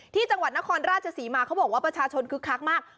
ที่จังหวัดนครราชศรีมาเขาบอกว่าประชาชนคึกคักมาก